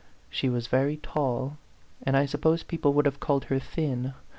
She was very tall ; and I suppose people would have called her thin.